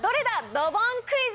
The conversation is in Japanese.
ドボンクイズ。